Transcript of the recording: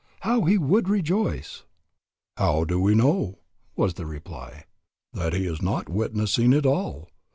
how he would rejoice!" "How do we know," was the reply, "that he is not witnessing it all?